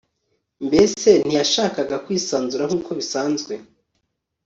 mbese ntiyabashaga kwisanzura nkuko bisanzwe